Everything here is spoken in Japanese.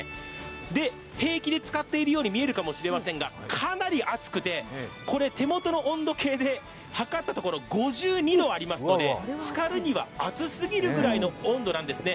で、平気でつかっているように見えるかもしれませんが手元の温度計ではかったところ５２度ありますのでつかるには熱すぎるぐらいの温度なんですね。